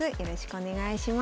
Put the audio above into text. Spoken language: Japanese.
お願いします。